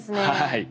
はい。